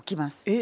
え